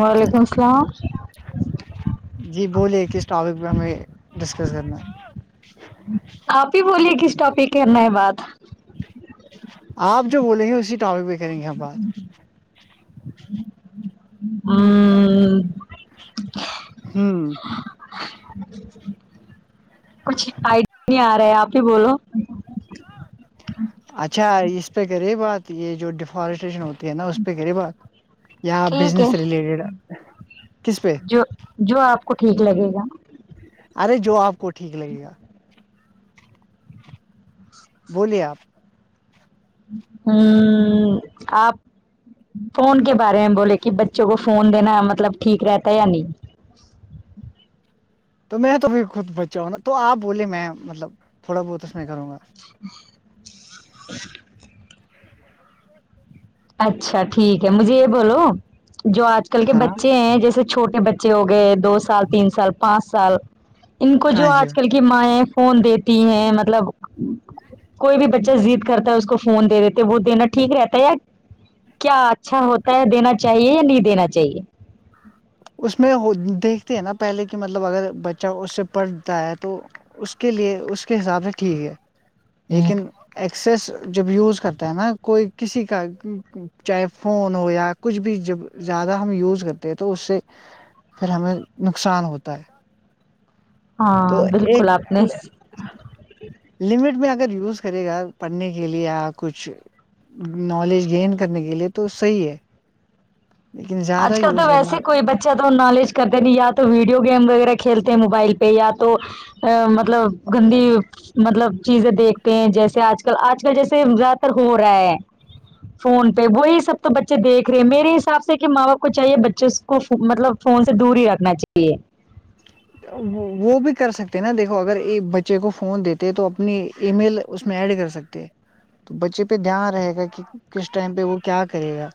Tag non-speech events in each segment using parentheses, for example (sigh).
وعلیکم السلام جی بولیں کس ٹاپک پہ ہمیں ڈسکس کرنا ہے آپ ہی بولیں کس ٹاپک پے کرنا ہے بات آپ جو بولیں گے اسی ٹاپک پہ کریں گے ہم بات ہمم ہوں کچھ آئیڈیا نہیں آ رہا آپ ہی بولو اچھا اس پہ کرے بات یہ جو ڈیفارسٹیشن ہوتا نا اس پہ کرے بات یا ٹھیک ہے بزنس ریلیٹڈ کس پہ جو جو آپ کو ٹھیک لگے گا ارے جو آپ کو ٹھیک لگے گا بولیے آپ ہوں آپ فون کے بارے میں بولے کہ بچوں کو فون دینا مطلب ٹھیک رہتا ہے یا نہیں تو میں تو بھی خود بچہ ہو نا تو آپ بولے میں مطلب تھوڑا بہت اس میں کروں گا اچھا ٹھیک ہے مجھے یہ بولو جو آج کل کے ہاں بچے ہیں جیسے چھوٹے بچے ہو گئے دو سال تین سال پانچ سال ان کو جو ہاں جی آج کل کہ مائیں فون دیتی ہیں مطلب کوئی بھی بچہ زید کرتا ہے اس کو فون دے دیتے وہ دینا ٹھیک رہتا ہے یا کیا اچھا ہوتا ہے دینا چاہیے یا نہیں دینا چاہیے اس میں دیکھتے ہیں نا پہلے کہ مطلب اگر بچہ اس سے پڑھتا ہے تو اس کے لیے اس کے حساب سے ٹھیک ہے لیکن ایکسس جب یوز کرتا ہے نا کوئی کسی کا چاہے فون ہو یا کچھ بھی جب زیادہ ہم یوز کرتے تھے تو اس سے پھر ہمیں نقصان ہوتا ہے تو ہاں بالکل ایک آپ نے لمٹ میں اگر یوز کرئے گا پڑھنے کے لیے یا کچھ نالج گین کرنے کے لیے تو صحیح ہے لیکن زیادہ آج کل تو یوز ویسے کرنا کوئی بچہ تو نالج کرتے نہیں یا تو ویڈیو گیم وغیرہ کھیلتے موبائل پہ یا تو مطلب گندی مطلب چیزیں دیکھتے ہیں جیسے آج کل آج کل جیسے زیادہ تر ہو رہا ہے فون پہ وہی سب تو بچے دیکھ رہے ہیں میرے حساب سے کہ ماں باپ کو چاہیے بچھے اس کو مطلب فون سے دور ہی رکھنا چاہیے وہ بھی کر سکتے نا دیکھو اگر بچے کو فون دیتے تو اپنی ای میل اس میں ایڈ کر سکتے تو بچے پہ دھیان رہے گا کہ کس ٹائم پہ وہ کیا کرے گا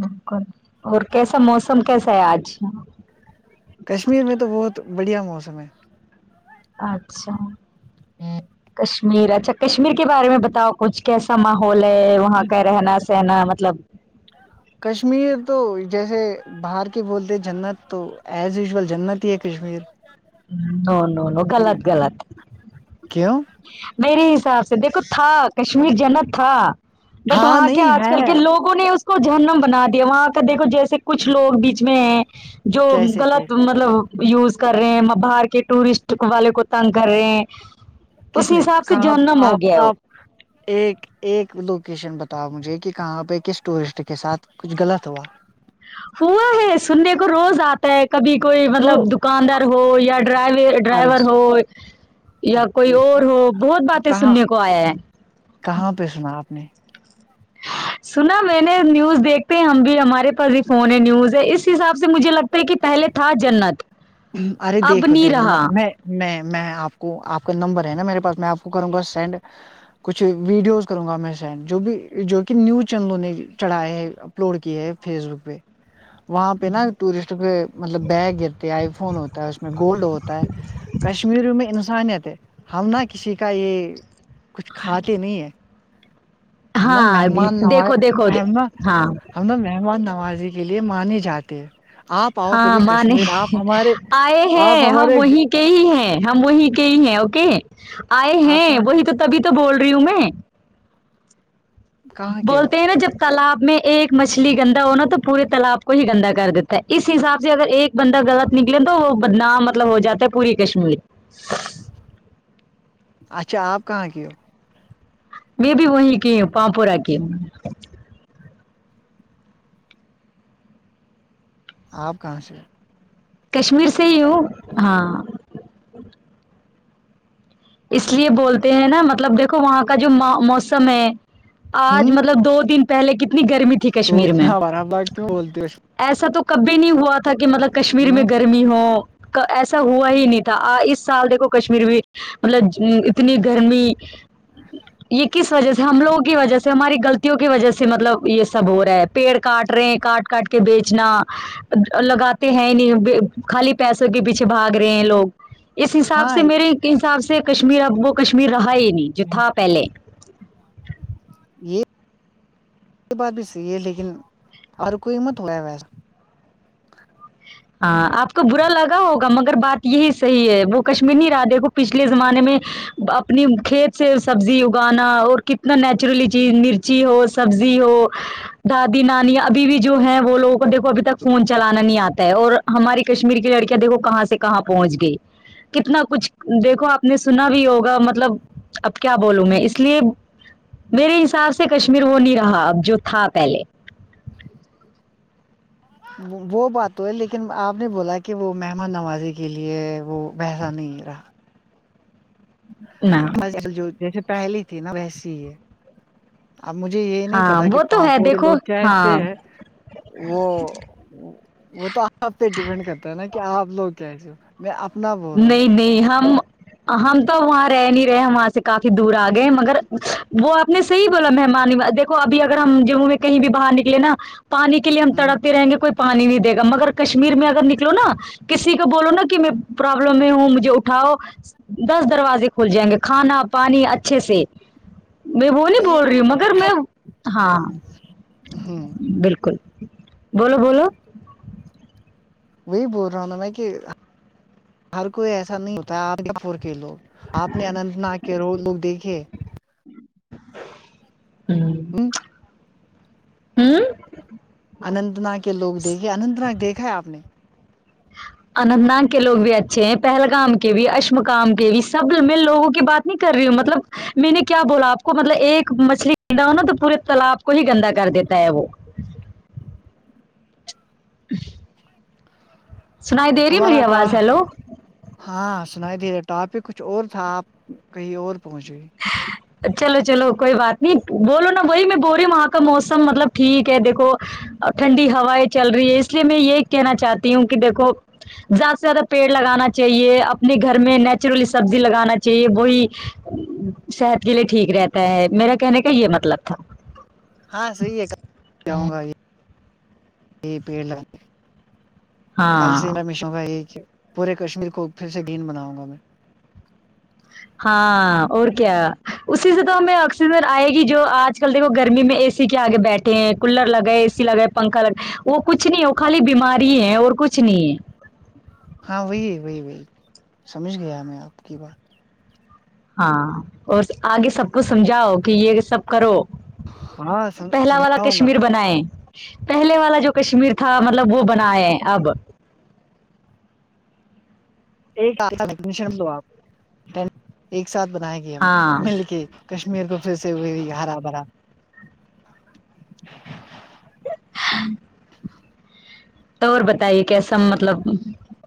بلکل اور کیسا موسم کیسا ہے آج کشمیر میں تو بہت بڑھیا موسم ہے اچھا کشمیر اچھا کشمیر کے بارے میں بتاؤ کچھ کیسا ماحول ہے وہاں کا رہنا کہنا مطلب کشمیر تو جیسے باہر کے بولتے جنت تو ایز یوژول جنت ہی ہے کشمیر نو نو نو غلط غلط کیوں میرے حساب سے دیکھو تھا کشمیر جنت تھا بٹ ہاں وہاں کے نہیں آج کل کے ہے لوگ لگوں نے اس کو جہنم بنا دیا وہاں کا دیکھو جیسے کچھ لوگ بیچ میں جو کیسے غلط کیسے مطلب یوز کر رہے ہیں باہر کے ٹورسٹ والے کو تنگ کر رہے ہیں اس کس نے حساب سے کہاں جہنم ہو گیا آپ ہے وہ آپ ایک ایک لوکیشن بتاؤ مجھے کہ کہاں پہ کس ٹورسٹ کے ساتھ کچھ غلط ہوا ہوا ہے سننے کو روز اتا کبھی کوئی تو مطلب دکاندار ہو یا ڈرائی ارے ڈرائیور ہو یا ارے کوئی اور ہو بہت باتیں کہاں سننے کو آیا ہے کہاں پہ سنا آپ نے سنا میں نے نیوز دیکھتے ہیں ہم بھی ہمارے پاس ہی فون ہے نیوز ہے اس حساب سے مجھے لگتا کی پہلے تھا جنت ارے اب دیکھو نہیں دیکھو رہا میں میں میں آپ کو آپ کا نمبر ہے نا میرے پاس میں آپ کو کروں گا سینڈ کچھ ویڈیوز کروں گا میں سینڈ جو بھی جو کہ نیوز چینلوں نے چڑھاائے ہے اپلوڈ کیے ہے فیس بک پہ وہاں پہ نا ٹورسٹ کے مطلب بیگ آ فون ہوتا ہے اس میں گولڈ ہوتا ہے کشمیری میں انس انسانیت ہے ہم نہ کسی کا یہ کچھ کھاتے نہیں ہے ہم نا ہاں مہمان نواز دیکھو دیکھو ہم نہ ہاں ہم نا مہمان نوازی کے لیے مانے جاتے ہیں آپ آؤ ہاں کبھی ماں نے کشمیر آپ ہمارے آپ ہمارے کہ ہی ہے ہم وہی کے ہی ہیں اوکے آئے آپ ہیں کہاں وہی تو تبھی تو بول رہی ہوں میں کہاں کی ہو بولتے ہیں نا جب تالاب میں ایک مچھلی گندا ہونا تو پورے تالاب کو ہی گندا کر دیتا ہے اس حساب سے اگر ایک بندہ غلط نکلے تو وہ بدنام مطلب ہو جاتا ہے پوری کشمیر اچھا آپ کہاں کے ہو میں بھی وہیں کی ہوں پاامپور کی ہوں آپ کہاں سے کشمیر سے ہی ہوں ہاں اس لیے بولتے ہیں نا مطلب دیکھو وہاں کا جو موسم ہے ہو؟ آج ہوں مطلب دو دن پہلے کتنی گرمی تھی تو کشمیر میں اتنا برا بات کیوں بولتی ہو ایسا تو کب بھی نہیں ہوا تھا کہ مطلب کشمیر میں ہو؟ گرمی ہو ایسا ہوا ہی نہیں تھا اس سال دیکھو کشمیر میں مطلب اتنی گرمی یہ کس وجہ سے ہم لوگوں کی وجہ سے ہماری غلط کی وجہ سے مطلب یہ سب ہو رہا ہے پیڑ کاٹ رہے ہیں کاٹ کاٹ کے بیچنا لگاتے ہیں نہیں خالی پیسوں کے پیچھے بھاگ رہے ہیں لوگ اس حساب ہاں سے میرے حساب سے کشمیر اب وہ کشمیر رہا ہی نہیں جو تھا پہلے یہ یہ بات بھی صحیح ہے لیکن ہر کوئی (unintelligible) ہاں آپ کو برا لگا ہوگا مگر بات یہی صحیح ہے وہ کشمیرنی رہا دیکھو پچھلے زمانے میں اپنی کھیت سے سبزی اگانا اور کت نیچرلی چیز مرچی ہو سبزی ہو دادی نانی ابھی بھی جو ہے وہ لوگوں کو دیکھو ابھی تک فون چلانا نہیں آتا اور ہماری کشمیر کی لڑکیاں دیکھو کہاں سے کہاں پہنچ گئی کتنا کچھ دیکھو آپ نے سنا بھی ہوگا مطلب اب کیا بولوں میں اس لیے میرے حساب سے کشمیر وہ نی رہا اب جو تھا پہلے (inaudible) وہ بات تو ہے لیکن آپ نے بولا کہ وہ مہمان نوازی کے لیے وہ پہلا نہیں رہا نہ میں جو جیسے پہلی تھی نا ویسی ہی ہے اب مجھے یہ نہیں ہاں پتا کہ وہ تو ہے پاپوری دیکھو لوگ کیسے ہاں ہے وہ وہ تو آپ پہ ڈپینڈ کرتا ہے نا کہ آپ لوگ کیسے ہے میں اپنا بول رہا نہیں نہیں ہم ہم تو وہاں رہ نہیں رہے ہیں وہاں سے کافی دور آ گئے مگر وہ آپ نے صحیح کہا بولا مہمان دی کو ابھی اگر ہم جموں میں کہیں بھی باہر نکلے نا پانی کے لیے ہم ہوں تڑپتے رہیں گے کوئی پانی نہیں دے گا مگر کشمیر میں اگر نکلو نا کسی کو بولو نا کہ میں پرابلم میں ہوں مجھے اٹھاؤ دس دروازے کھول جائیں گے کھانا پانی اچھے سے میں وہ نہیں بول رہی ہوں مگر میں ہاں ہ بالکل بولو بولو وہی بول رہا ہوں نہ میں کہ ہر کوئی ایسا نہیں ہوتا ہے آپ پور کے لوگ آپ نے اننت ناگ کے لوگ دیکھے ہمم ام اننت ناگ نا کے لوگ دیکھے اننت ناگ دیکھا ہے آپ نے اننت ناگ کے لوگ بھی اچھے ہیں پہلگام کے بھی اشمکام کے بھی سب میں لوگوں کی بات نہیں کر رہی ہوں مطلب میں نے کیا بولا آپ کو مطلب ایک مچھلی گندا ہو نا تو پورے تالاب کو ہی گندا کر دیتا ہے وہ (inaudible) سنائی دے رہی ہے ہمارا میری آواز ہیلو (unintelligible) ہاں سنائی دے رہا ٹا پک کچھ اور تھا آپ کہیں اور پہنچ گئے (inaudible) چلو چلو کوئی بات نہیں بولو نا وہی میں بول رہی ہوں وہاں کا موسم مطلب ٹھیک ہے دیکھو اور ٹھنڈی ہوائیں چل رہی ہے اس لیے میں یہ کہنا چاہتی ہوں کہ دیکھو زیادہ سے زیادہ پیڑ لگانا چاہیے اپنے گھر میں نیچرلی سبزی لگانا چاہیے وہی صحت کے لیے ٹھیک رہتا ہے میرا کہنے کا یہ مطلب تھا ہاں صحیح ہے جاؤں گا یہ پیڑ لگانے کل سے ہاں میں مشوں گا یہ پورے کشمیر کو پھر سے گرین بناؤں گا میں ہاں اور کیا اسی سے تو ہمیں آکسیزن آئے گی جو آج دیکھو گرمی میں اے سی کے آگے بیٹھے ہیں کولر لگائے اے سی لگائے پنکھا لگا وہ کچھ نہیں وہ خالی بیماری ہے اور کچھ نہیں ہے ہاں وہی ہے وہی وہی سمجھ گیا میں آپ کی بات ہاں اور آگے سب کو سمجھاؤ کہ یہ سب کرو ہاں پہلا والا سمجھاؤں گا کشمیر بنائے پہلے والا جو کشمیر تھا مطلب وہ بنائے اب دو آپ (unintelligible) ایک ساتھ بناے گے ہم ہاں مل کے کشمیر کو پھر سے وہی ہرا بھرا ہ تو اور بتائیے کیسا مطلب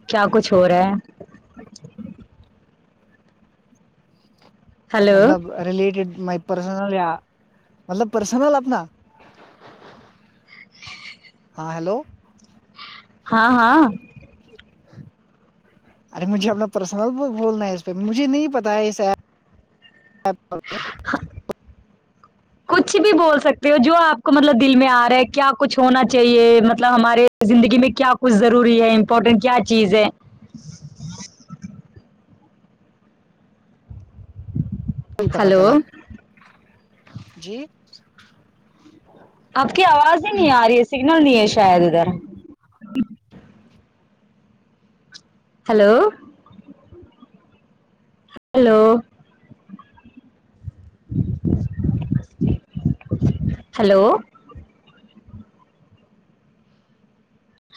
کیا کچھ ہو رہا ہے ہلو مطلب ریلیٹڈ مائی پرسنل یہ مطلب پرسنل اپنا ہاں ہیلو ہاں ہاں ارے مجھے اپنا پرسنل بھولنا ہے اس پہ مجھے نہیں پتہ ہے اس ایپ کچھ بھی بول سکتے ہو جو آپ کو مطلب دل میں آرہے ہے کیا کچھ ہونا چاہیے مطلب ہمارے زندگی میں کیا کچھ ضروری ہے امپورٹنٹ کیا چیز ہے پتہ ہلو چلا جی آپ کی آواز ہی نہیں آ رہی ہے سگنل نہیں ہے شاید ادھر ہیلو ہیلو ہیلو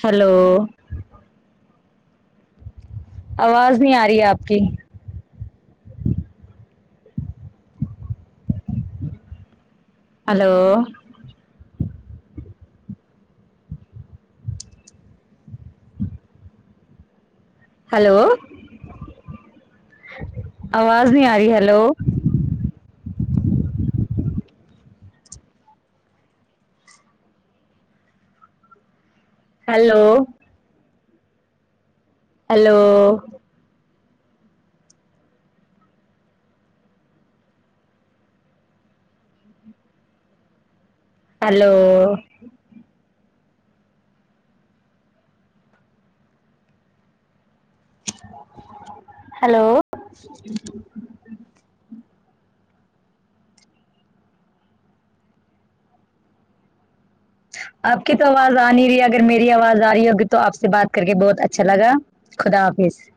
ہیلو آواز نہیں آ رہی ہے آپ کی ہیلو ہیلو آواز نہیں آ رہی hello hello hello hello hello آپ کی تو آواز آ نہیں رہی ہے اگر میری آواز آ رہی ہوگی تو آپ سے بات کر کے بہت اچھا لگا خدا حافظ